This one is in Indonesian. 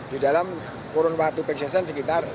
di dalam kurun waktu back season sekitar lima ratus tujuh puluh ribu